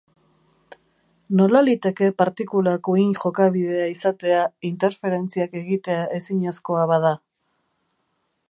Nola liteke partikulak uhin jokabidea izatea interferentziak egitea ezinezkoa bada?